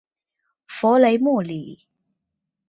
弗雷默里。